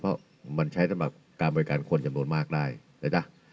เพราะมันใช้สำหรับการบริการคนจำนวนมากได้นะจ๊ะ